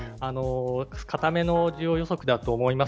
堅めの需要予測だと思います。